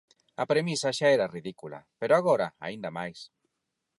A premisa xa era ridícula, pero agora aínda máis.